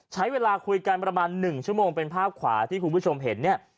ใช้เวลาคุยกันประมาณ๑ชั่วโมงเป็นภาพขวาที่คุณผู้ชมเห็นเนี่ย